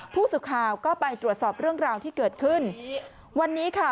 ผู้สื่อข่าวก็ไปตรวจสอบเรื่องราวที่เกิดขึ้นวันนี้ค่ะ